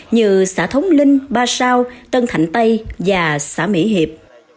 như xã thống linh ba sao tân thạnh tây và xã mỹ hiệp